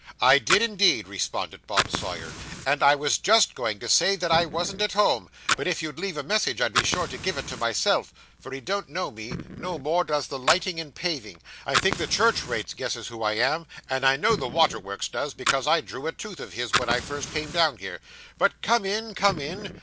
'I did, indeed,' responded Bob Sawyer, 'and I was just going to say that I wasn't at home, but if you'd leave a message I'd be sure to give it to myself; for he don't know me; no more does the Lighting and Paving. I think the Church rates guesses who I am, and I know the Water works does, because I drew a tooth of his when I first came down here. But come in, come in!